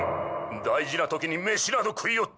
大事な時に飯など食いおって！